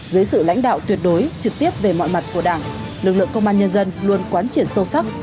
dưới sự lãnh đạo tuyệt đối trực tiếp về mọi mặt của đảng lực lượng công an nhân dân luôn quán triệt sâu sắc